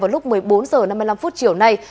vào lúc một mươi bốn h năm mươi năm chiều nay